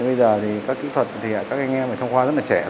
bây giờ thì các kỹ thuật thì các anh em ở trong khoa rất là trẻ